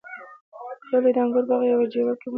د کلي د انګورو باغ په يوه جیوه کې وموندل شو.